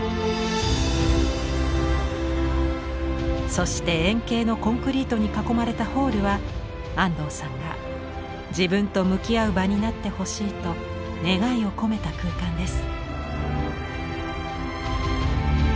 そして円形のコンクリートに囲まれたホールは安藤さんが「自分と向き合う場になってほしい」と願いを込めた空間です。